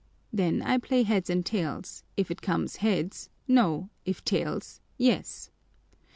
Then I play heads and tails: if it comes heads, no; if tails, yes.